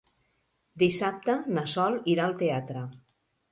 Dissabte na Sol irà al teatre.